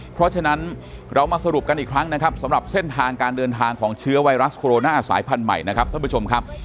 เพราะฉะนั้นเรามาสรุปกันอีกครั้งนะครับสำหรับเส้นทางการเดินทางของเชื้อไวรัสโคโรนาสายพันธุ์ใหม่นะครับท่านผู้ชมครับ